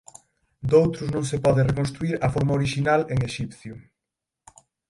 Doutros non se pode reconstruír a forma orixinal en exipcio.